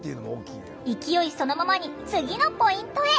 勢いそのままに次のポイントへ。